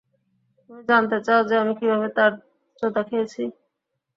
তুমি জানতে চাও যে আমি কিভাবে তার চোদা খেয়েছি?